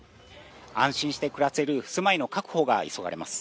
安心して暮らせる住まいの確保が急がれます。